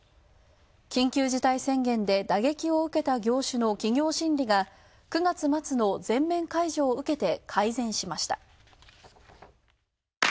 緊急事態宣言で打撃を受けた業種の企業心理が９月末の全面解除を受けて改善しました。